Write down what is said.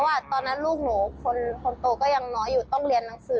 ตอนนั้นลูกหนูคนโตก็ยังน้อยอยู่ต้องเรียนหนังสือ